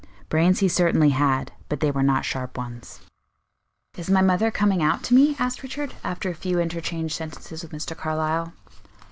Brains he certainly had, but they were not sharp ones. "Is my mother coming out to me?" asked Richard, after a few interchanged sentences with Mr. Carlyle.